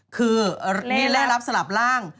คือเล่รับสลับร่าง